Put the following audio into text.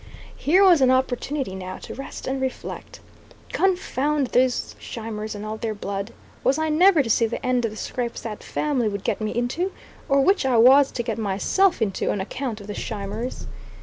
Here was an opportunity now to rest and reflect. Confound those Scheimers and all their blood! Was I never to see the end of the scrapes that family would get me into, or which I was to get myself into, on account of the Scheimers?